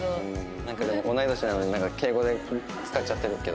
なんかでも同い年なのに敬語で使っちゃってるけど。